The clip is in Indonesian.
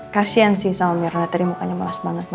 kasian sih sama myrna tadi mukanya malas banget ma